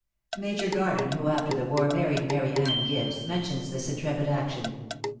* Major Garden, who after the war married Mary Anna Gibbes, mentions this intrepid action.